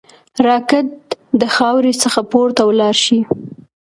راکټ د خاورې څخه پورته ولاړ شي